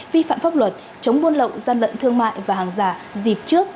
vi phạm pháp luật chống buôn lậu gian lận thương mại và hàng giả dịp trước